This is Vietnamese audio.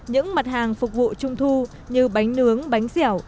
những mặt hàng phục vụ trung thu như bánh nướng bánh dẻo